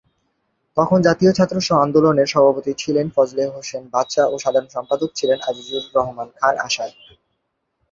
তখন জাতীয় ছাত্র আন্দোলনের সভাপতি ছিলেন ফজলে হোসেন বাদশা ও সাধারণ সম্পাদক ছিলেন আজিজুর রহমান খান আসাদ।